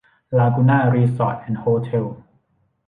ลากูน่า รีสอร์ท แอนด์ โฮเท็ล